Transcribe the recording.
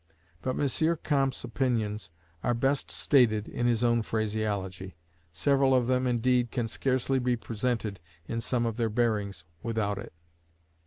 But M. Comte's opinions are best stated in his own phraseology; several of them, indeed, can scarcely be presented in some of their bearings without it.